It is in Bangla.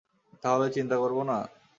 তাহলে চিন্তা করবো না?